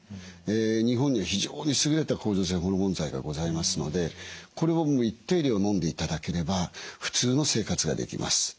日本には非常に優れた甲状腺ホルモン剤がございますのでこれを一定量のんでいただければ普通の生活ができます。